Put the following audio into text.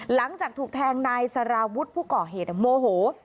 หลังจากถูกแทงนายสารวุฒิผู้ก่อเหตุโมโห